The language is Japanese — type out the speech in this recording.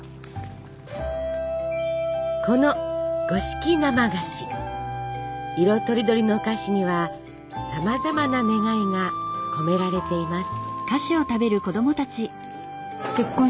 この色とりどりの菓子にはさまざまな願いが込められています。